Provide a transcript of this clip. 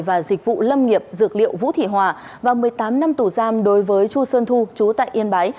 và dịch vụ lâm nghiệp dược liệu vũ thị hòa và một mươi tám năm tù giam đối với chu xuân thu chú tại yên bái